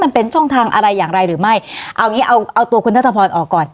มันเป็นช่องทางอะไรอย่างไรหรือไม่เอางี้เอาเอาตัวคุณทัศพรออกก่อน